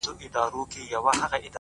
ستا بې روخۍ ته به شعرونه ليکم،